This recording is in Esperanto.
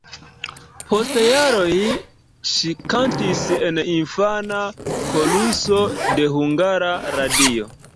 Post jaroj ŝi kantis en infana koruso de Hungara Radio.